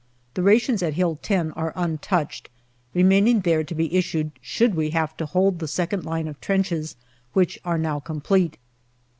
The rations at Hill 10 are un touched, remaining there to be issued should we have to hold the second line of trenches, which are now complete.